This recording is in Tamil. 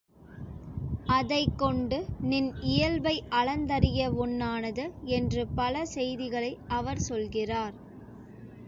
அதைக் கொண்டு நின் இயல்பை அளந்தறிய வொண்ணாது என்று பல செய்திகளை அவர் சொல்கிறார்.